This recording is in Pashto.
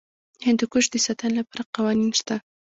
د هندوکش د ساتنې لپاره قوانین شته.